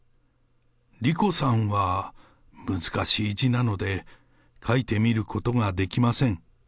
莉子さんは難しい字なので、書いてみることができません。